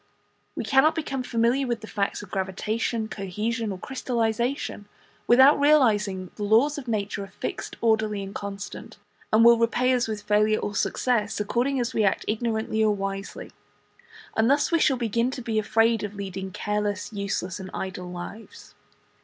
We cannot become familiar with the facts of gravitation, cohesion, or crystallization, without realizing that the laws of nature are fixed, orderly, and constant, and will repay us with failure or success according as we act ignorantly or wisely; and thus we shall begin to be afraid of leading careless, useless, and idle lives.